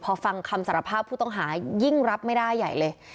พอฟังคำสารภาพผู้ต้องหายิ่งรับไม่ได้ใหญ่เลย